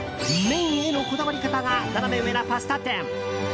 まずは、麺へのこだわり方がナナメ上なパスタ店。